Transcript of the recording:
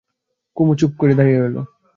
কুমু চুপ করে দাঁড়িয়ে রইল।